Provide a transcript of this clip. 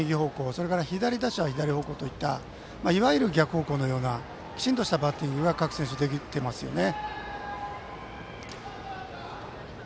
それから左打者は左方向といったいわゆる逆方向のようなきちんとしたバッティングが各選手、できていますよね。